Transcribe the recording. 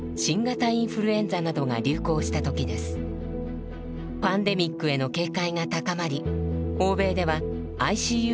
パンデミックへの警戒が高まり欧米ではＩＣＵの整備が進みます。